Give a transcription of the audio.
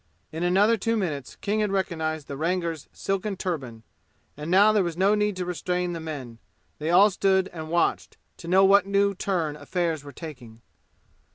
In another two minutes King had recognized the Rangar's silken turban. And now there was no need to restrain the men; they all stood and watched, to know what new turn affairs were taking.